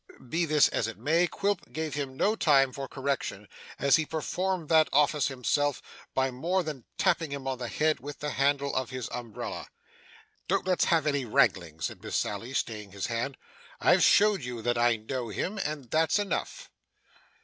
Be this as it may, Quilp gave him no time for correction, as he performed that office himself by more than tapping him on the head with the handle of his umbrella. 'Don't let's have any wrangling,' said Miss Sally, staying his hand. 'I've showed you that I know him, and that's enough.